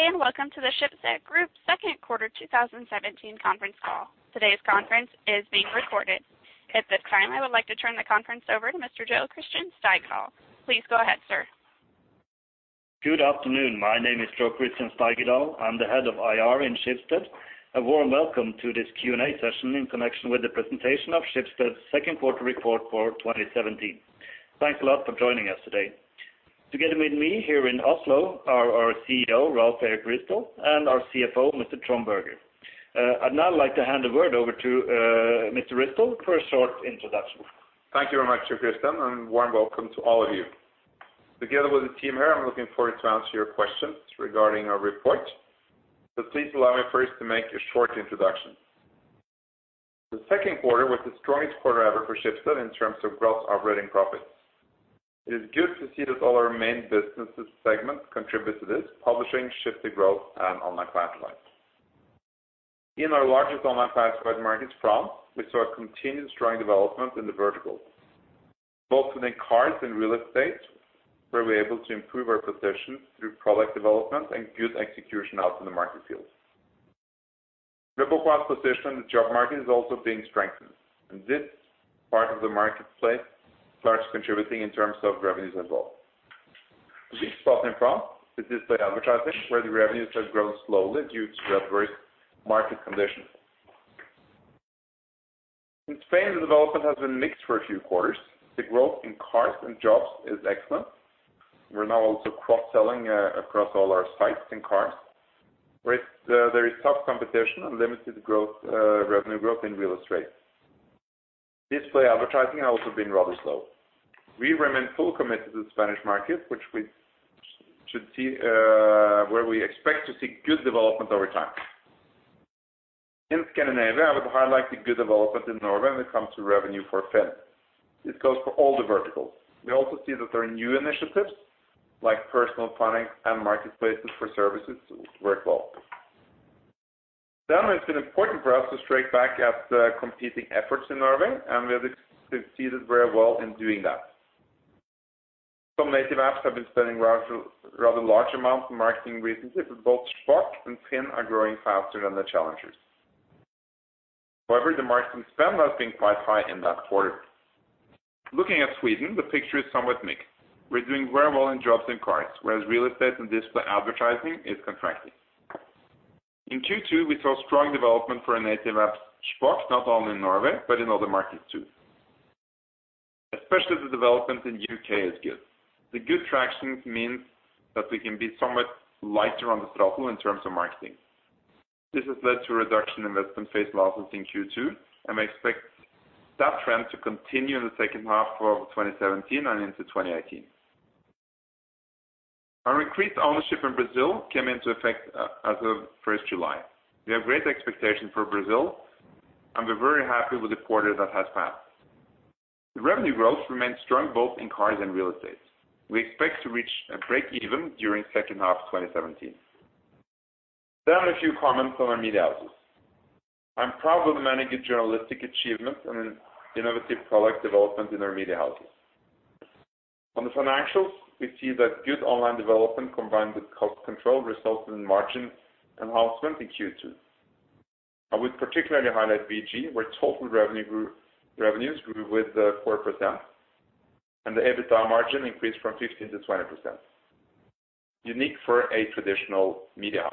Good day. Welcome to the Schibsted Group second quarter 2017 conference call. Today's conference is being recorded. At this time, I would like to turn the conference over to Mr. Jo Christian Steigedal. Please go ahead, sir. Good afternoon. My name is Jo Christian Steigedal. I'm the Head of IR in Schibsted. A warm welcome to this Q&A session in connection with the presentation of Schibsted's second quarter report for 2017. Thanks a lot for joining us today. Together with me here in Oslo are our CEO, Rolv Erik Ryssdal, and our CFO, Mr. Trond Berger. I'd now like to hand the word over to Mr. Ryssdal for a short introduction. Thank you very much, Jo Christian, and warm welcome to all of you. Together with the team here, I'm looking forward to answer your questions regarding our report. Please allow me first to make a short introduction. The second quarter was the strongest quarter ever for Schibsted in terms of gross operating profits. It is good to see that all our main businesses segments contribute to this, publishing Schibsted Growth and Online Classifieds. In our largest online classified market, France, we saw a continued strong development in the verticals. Both within cars and real estate, where we're able to improve our position through product development and good execution out in the market fields. Triple class position, the job market is also being strengthened, and this part of the marketplace starts contributing in terms of revenues as well. The biggest problem in France is display advertising, where the revenues have grown slowly due to adverse market conditions. In Spain, the development has been mixed for a few quarters. The growth in cars and jobs is excellent. We're now also cross-selling across all our sites and cars, whereas there is tough competition and limited revenue growth in real estate. Display advertising has also been rather slow. We remain full committed to the Spanish market, which we should see, where we expect to see good development over time. In Scandinavia, I would highlight the good development in Norway when it comes to revenue for FINN. This goes for all the verticals. We also see that there are new initiatives like personnel planning and marketplaces for services work well. It's been important for us to strike back at competing efforts in Norway, and we have succeeded very well in doing that. Some native apps have been spending rather large amounts for marketing recently, but both Shpock and FINN are growing faster than the challengers. However, the marketing spend has been quite high in that quarter. Looking at Sweden, the picture is somewhat mixed. We're doing very well in jobs and cars, whereas real estate and display advertising is contracting. In Q2, we saw strong development for our native app, Shpock, not only in Norway, but in other markets too. Especially the development in UK is good. The good traction means that we can be somewhat lighter on the throttle in terms of marketing. This has led to a reduction in revenue-based losses in Q2, and we expect that trend to continue in the second half of 2017 and into 2018. Our increased ownership in Brazil came into effect as of 1st July. We have great expectations for Brazil, and we're very happy with the quarter that has passed. The revenue growth remains strong both in cars and real estate. We expect to reach a break even during second half 2017. A few comments on our media houses. I'm proud of the many good journalistic achievements and innovative product development in our media houses. On the financials, we see that good online development combined with cost control resulted in margin enhancement in Q2. I would particularly highlight VG, where total revenue grew, revenues grew with 4%, and the EBITDA margin increased from 15%-20%. Unique for a traditional media house.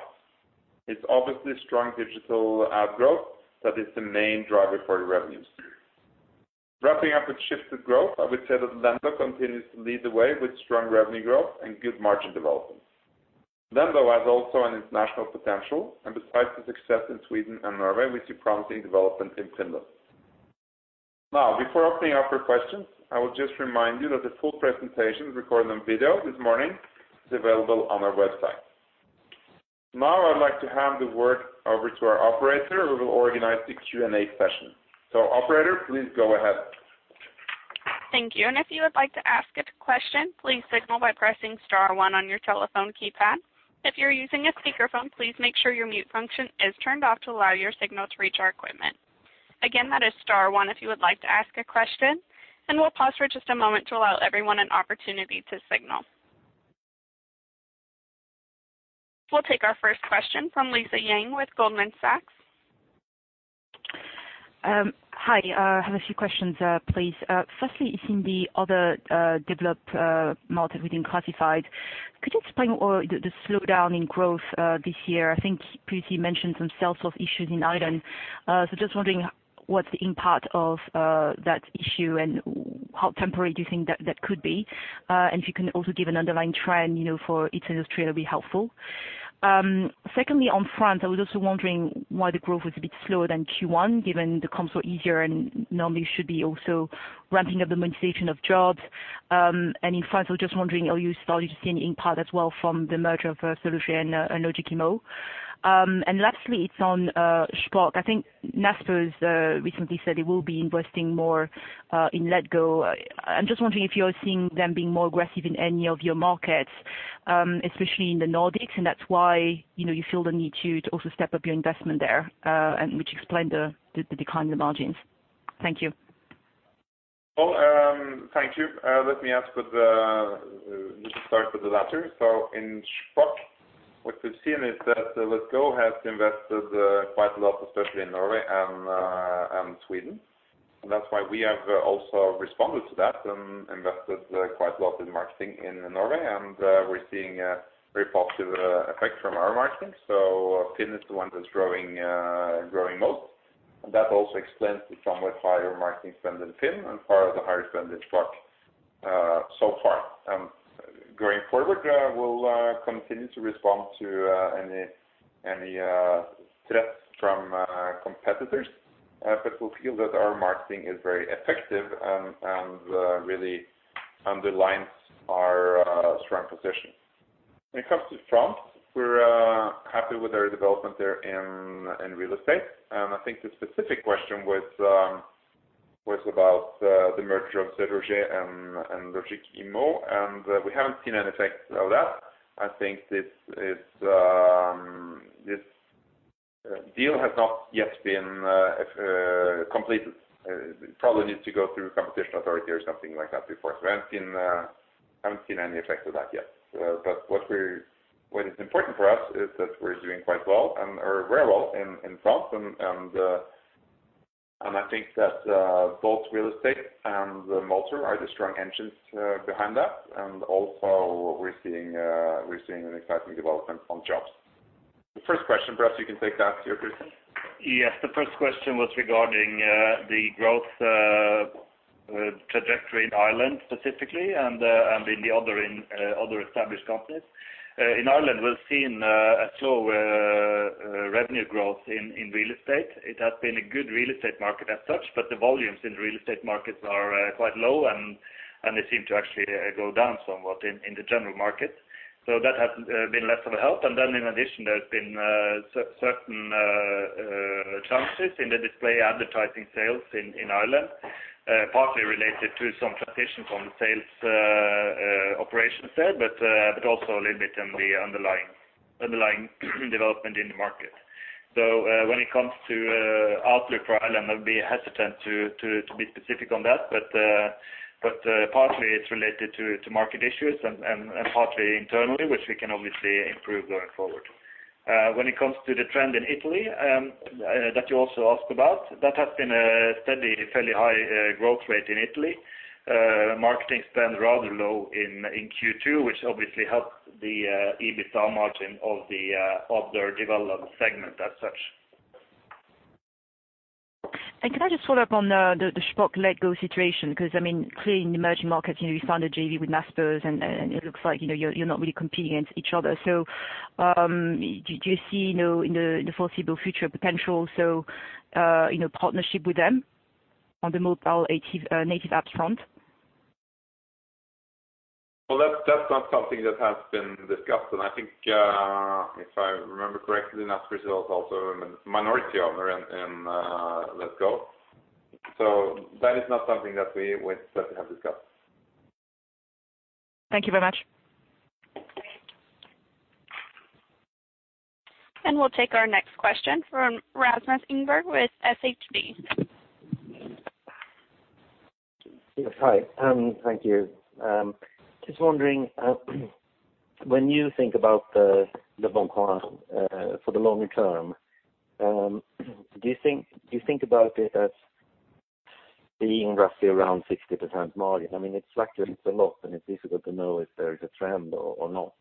It's obviously strong digital ad growth that is the main driver for the revenues. Wrapping up with Schibsted Growth, I would say that Lendo continues to lead the way with strong revenue growth and good margin development. Lendo has also an international potential, and besides the success in Sweden and Norway, we see promising development in Finland. Before opening up for questions, I would just remind you that the full presentation recorded on video this morning is available on our website. I'd like to hand the word over to our operator, who will organize the Q&A session. Operator, please go ahead. Thank you. If you would like to ask a question, please signal by pressing star one on your telephone keypad. If you're using a speakerphone, please make sure your mute function is turned off to allow your signal to reach our equipment. Again, that is star one if you would like to ask a question. We'll pause for just a moment to allow everyone an opportunity to signal. We'll take our first question from Lisa Yang with Goldman Sachs. Hi. I have a few questions, please. Firstly is in the other developed market within classified, could you explain the slowdown in growth this year? I think previously you mentioned some sales of issues in Ireland. Just wondering what's the impact of that issue and how temporary do you think that could be? If you can also give an underlying trend, you know, for each industry, that'd be helpful. Secondly, on France, I was also wondering why the growth was a bit slower than Q1, given the comp was easier and normally should be also ramping up the monetization of jobs. In France, I was just wondering, are you starting to see any impact as well from the merger of SeLoger and Logic-Immo? Lastly, it's on Shpock. I think Naspers recently said they will be investing more in Letgo. I'm just wondering if you're seeing them being more aggressive in any of your markets, especially in the Nordics, and that's why, you know, you feel the need to also step up your investment there, and which explained the decline in the margins? Thank you. Well, thank you. Let me start with the latter. In Shpock, what we've seen is that letgo has invested quite a lot, especially in Norway and Sweden. That's why we have also responded to that and invested quite a lot in marketing in Norway. We're seeing a very positive effect from our marketing. FINN is the one that's growing most. That also explains the somewhat higher marketing spend in FINN and part of the higher spend in Shpock so far. Going forward, we'll continue to respond to any threats from competitors. We feel that our marketing is very effective and really underlines our strong position. When it comes to France, we're happy with our development there in real estate. I think the specific question was about the merger of SeLoger and Logic-Immo, and we haven't seen an effect of that. I think this is this deal has not yet been completed. It probably needs to go through competition authority or something like that before. We haven't seen any effect of that yet. What is important for us is that we're doing quite well or very well in France and I think that both real estate and Motor are the strong engines behind that. We're seeing an exciting development on jobs. The first question, perhaps you can take that here, Christian. Yes. The first question was regarding the growth trajectory in Ireland specifically and in the other established countries. In Ireland, we've seen a slow revenue growth in real estate. It has been a good real estate market as such, but the volumes in real estate markets are quite low, and they seem to actually go down somewhat in the general market. That has been less of a help. In addition, there's been certain challenges in the display advertising sales in Ireland, partly related to some transition from the sales operations there, but also a little bit in the underlying development in the market. When it comes to outlook for Ireland, I'd be hesitant to be specific on that. Partly it's related to market issues and partly internally, which we can obviously improve going forward. When it comes to the trend in Italy, that you also ask about, that has been a steady, fairly high growth rate in Italy. Marketing spend rather low in Q2, which obviously helps the EBITDA margin of their development segment as such. Can I just follow up on the Shpock letgo situation? I mean, clearly in the emerging markets, you know, you signed a JV with Naspers, and it looks like, you know, you're not really competing against each other. Do you see, you know, in the foreseeable future potential, so, you know, partnership with them on the mobile native apps front? Well, that's not something that has been discussed. I think, if I remember correctly, Naspers is also a minority owner in Letgo. That is not something that we would certainly have discussed. Thank you very much. We'll take our next question from Rasmus Engberg with SHB. Yes. Hi, thank you. Just wondering, when you think about leboncoin, for the longer term, do you think about it as being roughly around 60% margin? I mean, it fluctuates a lot. It's difficult to know if there is a trend or not.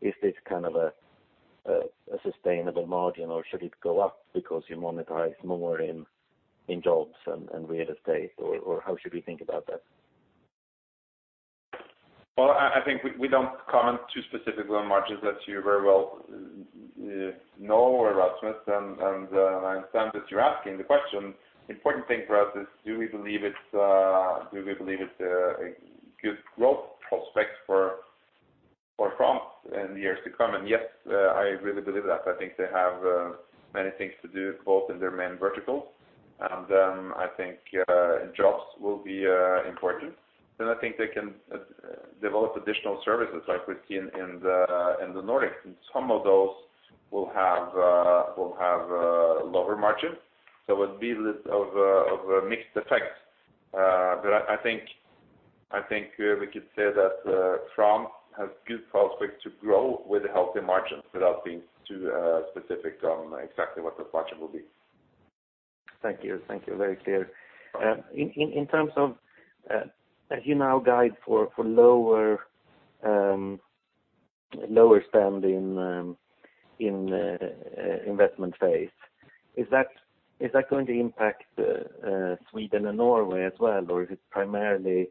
Is this kind of a sustainable margin, or should it go up because you monetize more in jobs and real estate, or how should we think about that? Well, I think we don't comment too specifically on margins, as you very well know, Rasmus, and I understand that you're asking the question. The important thing for us is do we believe it's a good growth prospect for France in the years to come? Yes, I really believe that. I think they have many things to do both in their main verticals, and I think jobs will be important. I think they can develop additional services like we've seen in the Nordics, and some of those will have lower margins. It'll be a little of a mixed effect. I think we could say that France has good prospects to grow with healthy margins without being too specific on exactly what the margin will be. Thank you. Thank you. Very clear. In terms of, as you now guide for lower spend in investment phase, is that going to impact Sweden and Norway as well, or is it primarily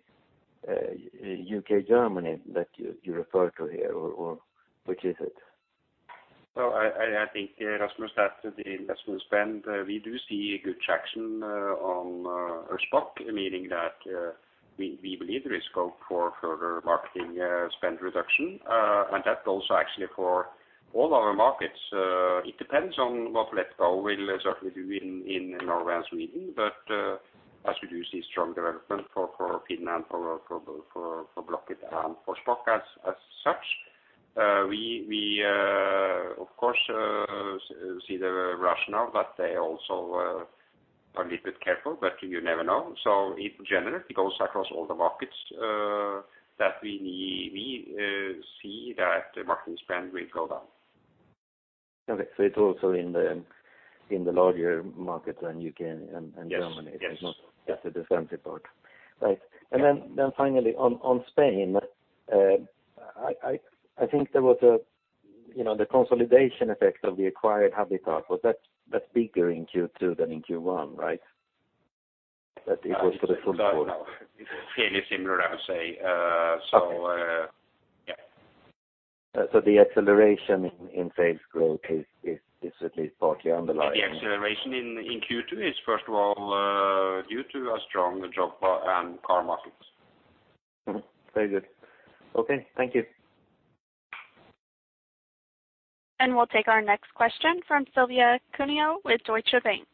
UK, Germany that you refer to here, or which is it? Well, I, I think, Rasmus, that the investment spend, we do see good traction on Shpock, meaning that we believe there is scope for further marketing spend reduction. That also actually for all our markets. It depends on what letgo will exactly do in Norway and Sweden. As we do see strong development for Finland, for Blocket and for Shpock as such, we, of course, see the rationale but they also are a little bit careful, but you never know. In general, it goes across all the markets that we see that the marketing spend will go down. Okay. It's also in the, in the larger markets than U.K. and Germany. Yes. Yes. It's not just the defensive part. Right. Finally on Spain, I think there was a, you know, the consolidation effect of the acquired Habitaclia. That's bigger in Q2 than in Q1, right? That it was for the full quarter. No. It's fairly similar, I would say. Yeah. The acceleration in sales growth is at least partly underlying. The acceleration in Q2 is first of all due to a strong job and car market. Mm-hmm. Very good. Okay. Thank you. We'll take our next question from Silvia Cuneo with Deutsche Bank.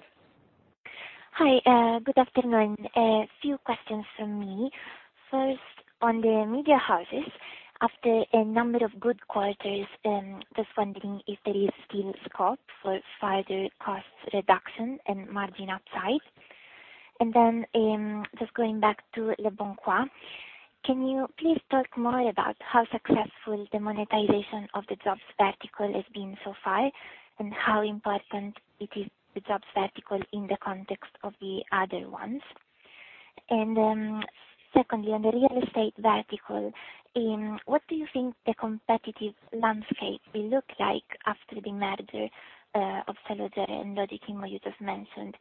Hi, good afternoon. A few questions from me. First, on the media houses, after a number of good quarters, just wondering if there is still scope for further cost reduction and margin upside. just going back to leboncoin, can you please talk more about how successful the monetization of the jobs vertical has been so far, and how important it is the jobs vertical in the context of the other ones? secondly, on the real estate vertical, what do you think the competitive landscape will look like after the merger, of SeLoger and Logic-Immo you just mentioned,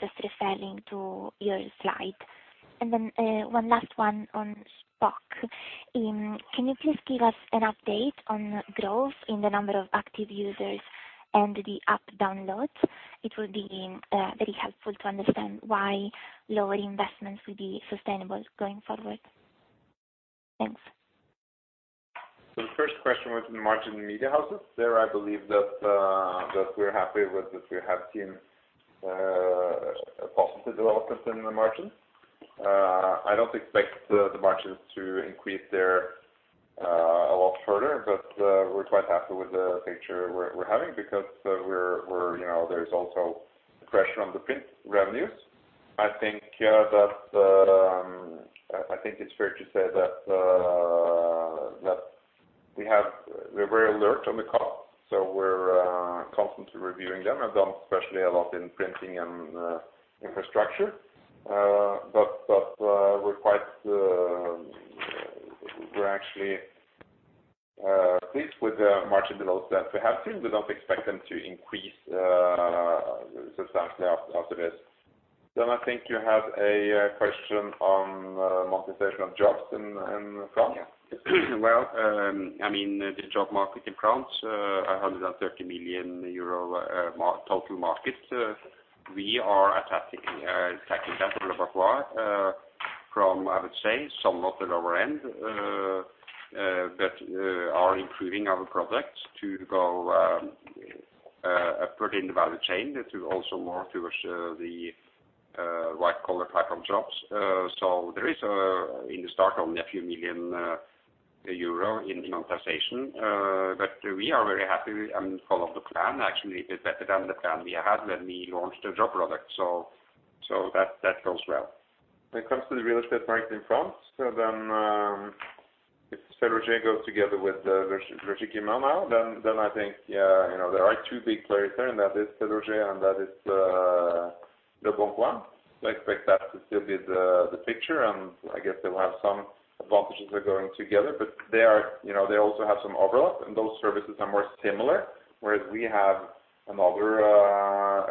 just referring to your slide. one last one on Shpock. Can you please give us an update on growth in the number of active users and the app downloads? It would be very helpful to understand why lower investments will be sustainable going forward. Thanks. The first question was the margin in media houses. There, I believe that we're happy with that we have seen a positive development in the margins. I don't expect the margins to increase there a lot further, but we're quite happy with the picture we're having because we're, you know, there's also pressure on the print revenues. I think that I think it's fair to say that we're very alert on the costs, so we're constantly reviewing them and done especially a lot in printing and infrastructure. We're quite, we're actually pleased with the margin levels that we have seen. We don't expect them to increase substantially after this. I think you have a question on monetization of jobs in France. I mean, the job market in France, 130 million euro total market. We are attacking that at leboncoin, from, I would say, somewhat the lower end, but are improving our products to go upward in the value chain to also more towards the white collar type of jobs. There is, in the start only a few million EUR in monetization, we are very happy and follow the plan. Actually, it's better than the plan we had when we launched the job product. That goes well. When it comes to the real estate market in France, if SeLoger goes together with Logic-Immo now, then I think, you know, there are two big players there, and that is SeLoger and that is leboncoin. I expect that to still be the picture, and I guess they will have some advantages of going together. They are, you know, they also have some overlap, and those services are more similar, whereas we have another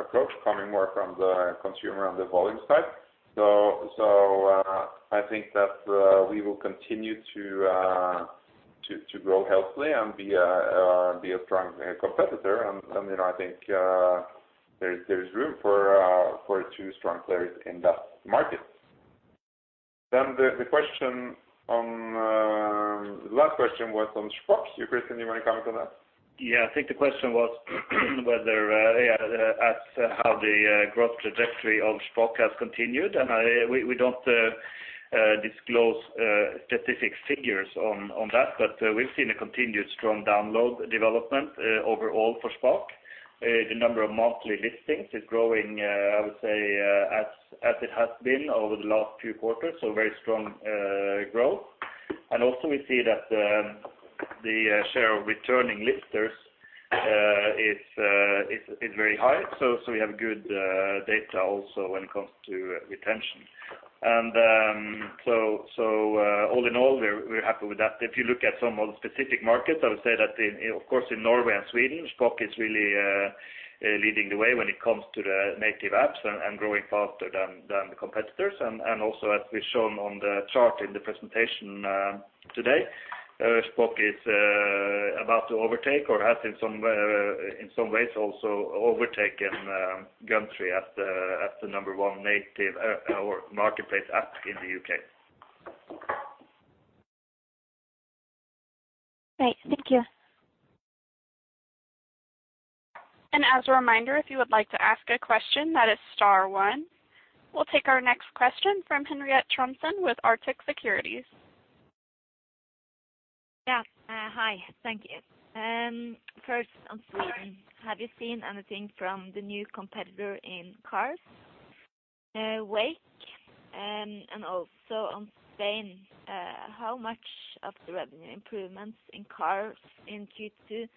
approach coming more from the consumer on the volume side. I think that we will continue to grow healthily and be a strong competitor. You know, I think there's room for two strong players in that market. The question on the last question was on Shpock. Christian, do you want to comment on that? Yeah. I think the question was whether as how the growth trajectory of Shpock has continued. We don't disclose specific figures on that, but we've seen a continued strong download development overall for Shpock. The number of monthly listings is growing, I would say, as it has been over the last few quarters, so very strong growth. We see that the share of returning listers is very high. We have good data also when it comes to retention. All in all, we're happy with that. If you look at some of the specific markets, I would say that in, of course, in Norway and Sweden, Shpock is really leading the way when it comes to the native apps and growing faster than the competitors. Also, as we've shown on the chart in the presentation, today, Shpock is about to overtake or has in some way, in some ways also overtaken Gumtree as the number one native or marketplace app in the UK. Great. Thank you. As a reminder, if you would like to ask a question, that is star one. We'll take our next question from Henriette Trondsen with Arctic Securities. Yeah. Hi. Thank you. First on Sweden, have you seen anything from the new competitor in cars, Wayke? On Spain, how much of the revenue improvements in cars in Q2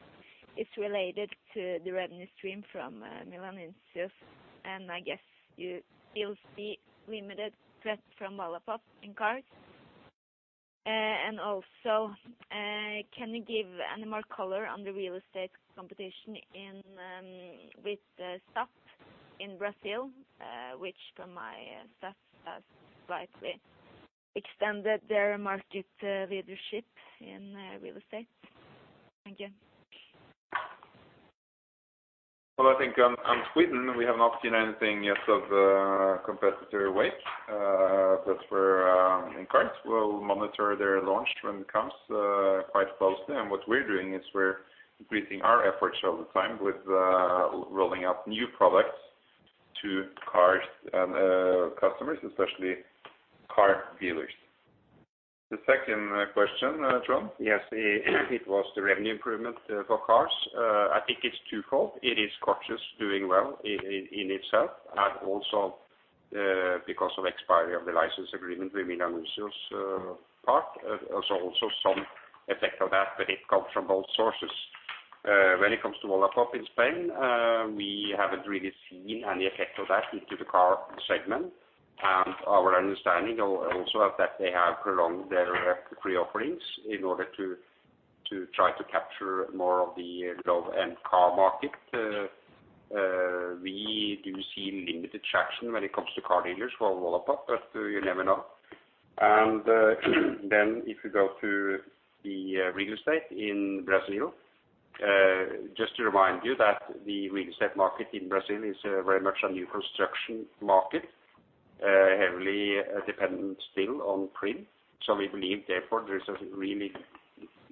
is related to the revenue stream from Milanuncios? I guess you still see limited threat from Wallapop in cars. Can you give any more color on the real estate competition in with SAP in Brazil, which from my staff has slightly extended their market leadership in real estate. Thank you. Well, I think on Sweden, we have not seen anything yet of the competitor Wayke. That's where in cars we'll monitor their launch when it comes quite closely. What we're doing is we're increasing our efforts all the time with rolling out new products to cars and customers, especially car dealers. The second question, Jo? Yes. It was the revenue improvement for cars. I think it's twofold. It is Coches doing well in itself and also because of expiry of the license agreement with Milanuncios part. Also some effect of that, but it comes from both sources. When it comes to Wallapop in Spain, we haven't really seen any effect of that into the car segment. Our understanding also is that they have prolonged their free offerings in order to try to capture more of the low-end car market. We do see limited traction when it comes to car dealers for Wallapop, but you never know. Then if you go to the real estate in Brazil, just to remind you that the real estate market in Brazil is very much a new construction market, heavily dependent still on print. We believe therefore there is a really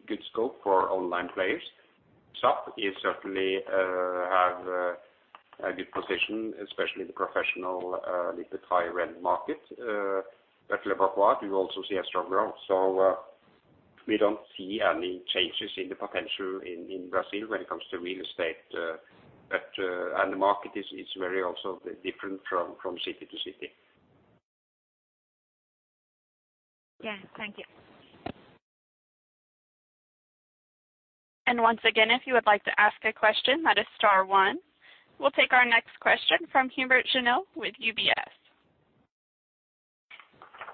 good scope for online players. SAP is certainly have a good position, especially the professional, little higher end market, but Wallapop we also see a strong growth. We don't see any changes in the potential in Brazil when it comes to real estate. But the market is very also different from city to city. Yeah. Thank you. Once again, if you would like to ask a question, that is star one. We'll take our next question from Hubert Jeaneau with UBS.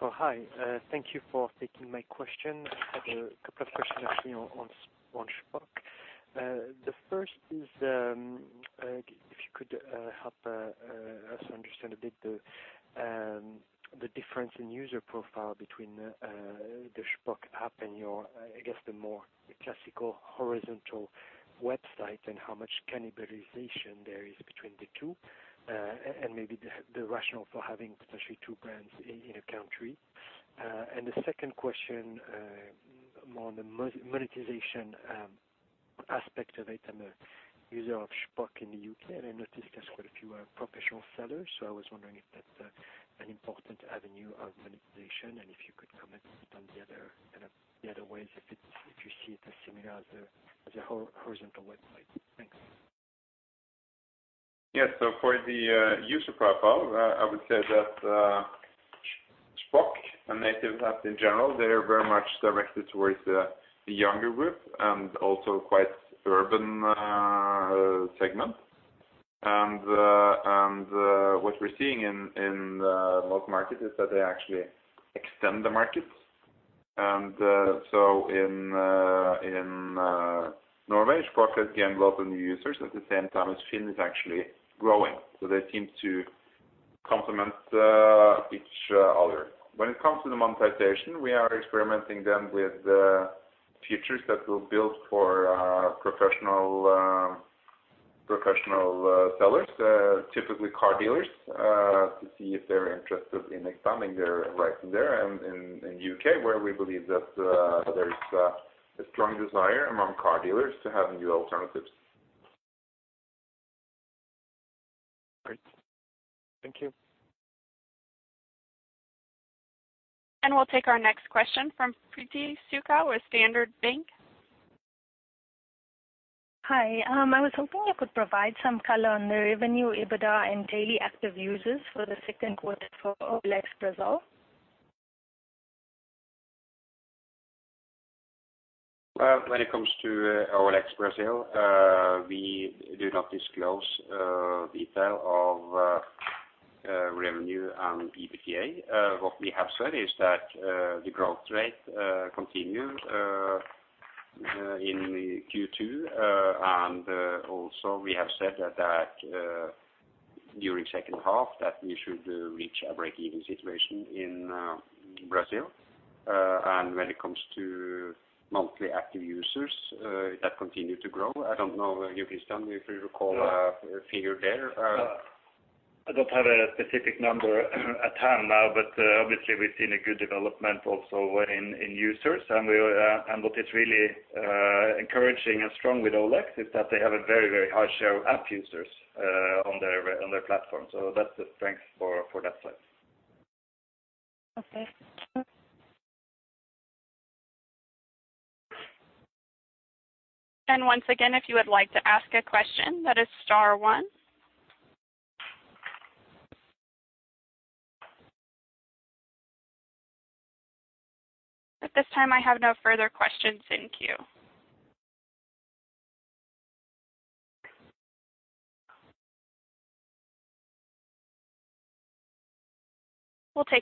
Hi. Thank you for taking my question. I have a couple of questions actually on Shpock. The first is, if you could help us understand a bit the difference in user profile between the Shpock app and your, I guess the more classical horizontal website and how much cannibalization there is between the two, and maybe the rationale for having especially two brands in a country. The second question, more on the monetization aspect of it. I'm a user of Shpock in the UK, and I noticed there's quite a few professional sellers. I was wondering if that's an important avenue of monetization and if you could comment on the other, kind of the other ways, if you see it as similar as the, as the horizontal website. Thanks. Yes. For the user profile, I would say that Shpock, a native app in general, they are very much directed towards the younger group and also quite urban segment. What we're seeing in most markets is that they actually extend the markets. So in Norway, Shpock has gained lots of new users at the same time as Finn is actually growing. They seem to complement each other. When it comes to the monetization, we are experimenting then with features that will build for professional professional sellers, typically car dealers, to see if they're interested in expanding their presence there in UK, where we believe that there is a strong desire among car dealers to have new alternatives. Great. Thank you. We'll take our next question from Preeti Sukha with Standard Bank. Hi. I was hoping you could provide some color on the revenue, EBITDA, and daily active users for the second quarter for OLX Brazil. Well, when it comes to OLX Brazil, we do not disclose detail of revenue and EBITDA. What we have said is that the growth rate continue in the Q2. Also we have said that during second half that we should reach a break-even situation in Brazil. When it comes to monthly active users, that continue to grow. I don't know, Ryssdal, if you recall a figure there. I don't have a specific number at hand now, but obviously we've seen a good development also in users. What is really encouraging and strong with OLX is that they have a very, very high share of app users on their platform. That's a strength for that site. Okay. Thanks. Once again, if you would like to ask a question, that is star one. At this time, I have no further questions in queue. Okay.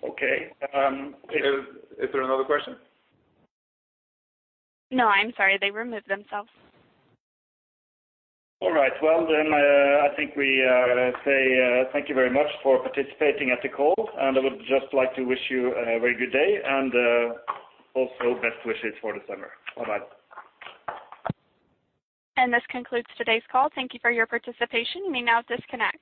Is there another question? No, I'm sorry. They removed themselves. Well, I think we say thank you very much for participating at the call. I would just like to wish you a very good day and also best wishes for the summer. Bye-bye. This concludes today's call. Thank you for your participation. You may now disconnect.